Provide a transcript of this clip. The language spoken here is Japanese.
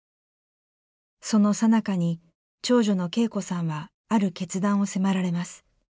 そのさなかに長女の景子さんはある決断を迫られます。